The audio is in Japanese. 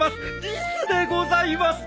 リスでございます。